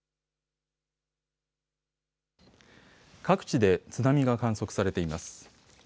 各地で津波が観測されています。